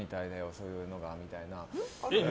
そういうのがみたいな。